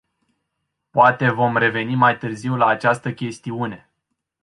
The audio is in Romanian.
Poate vom reveni mai târziu la această chestiune.